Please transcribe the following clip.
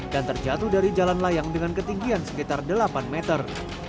dan terjatuh dari jalan layang dengan ketinggian sekitar delapan meter